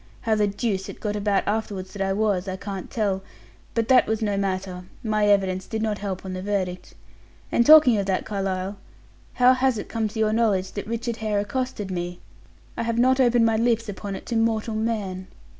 How the deuce it got about afterward that I was, I can't tell; but that was no matter; my evidence did not help on the verdict. And talking of that, Carlyle, how has it come to your knowledge that Richard Hare accosted me? I have not opened my lips upon it to mortal man."